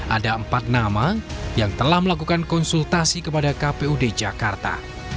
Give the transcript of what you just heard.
ada empat nama yang telah melakukan konsultasi kepada kpud jakarta